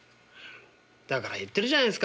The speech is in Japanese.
だから言ってるじゃないですか。